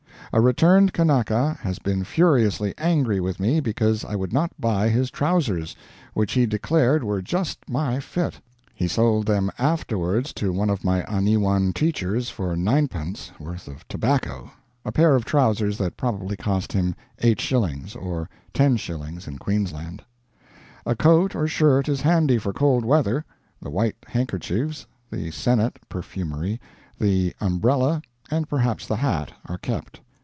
A returned Kanaka has been furiously angry with me because I would not buy his trousers, which he declared were just my fit. He sold them afterwards to one of my Aniwan teachers for 9d. worth of tobacco a pair of trousers that probably cost him 8s. or 10s. in Queensland. A coat or shirt is handy for cold weather. The white handkerchiefs, the 'senet' (perfumery), the umbrella, and perhaps the hat, are kept.